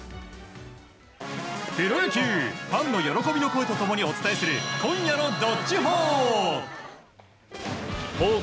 プロ野球ファンの喜びの声と共にお伝えする今夜の「＃どっちほー」。